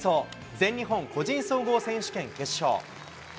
全日本個人総合選手権決勝。